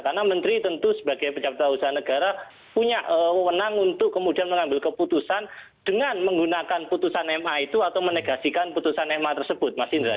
karena menteri tentu sebagai pejabat tentang usaha negara punya menang untuk kemudian mengambil keputusan dengan menggunakan putusan ma itu atau menegasikan putusan ma tersebut mas indra